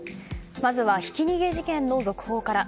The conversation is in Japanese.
まずはひき逃げ事件の続報から。